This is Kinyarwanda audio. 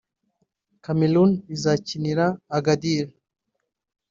Cameroon (rizakinira Agadir)